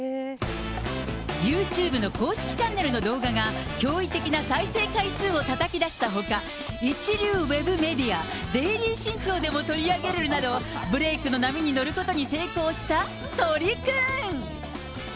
ユーチューブの公式チャンネルの動画が驚異的な再生回数をたたき出したほか、一流ウェブメディア、デイリー新潮でも取り上げられるなど、ブレークの波に乗ることに成功した鳥くん。